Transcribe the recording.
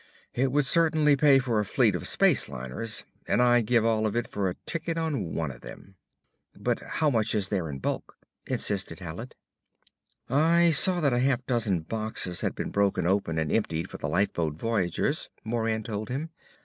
"It would certainly pay for a fleet of space liners, and I'd give all of it for a ticket on one of them." "But how much is there in bulk?" insisted Hallet. "I saw that half a dozen boxes had been broken open and emptied for the lifeboat voyagers," Moran told him.